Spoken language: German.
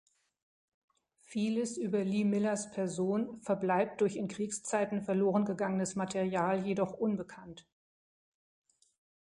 Vieles über Lee Millers Person verbleibt durch in Kriegszeiten verloren gegangenes Material jedoch unbekannt.